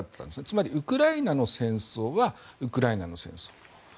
つまり、ウクライナの戦争はウクライナの戦争。